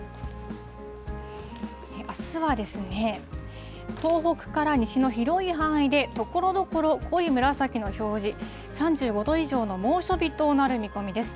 あすは東北から西の広い範囲で、ところどころ濃い紫の表示、３５度以上の猛暑日となる見込みです。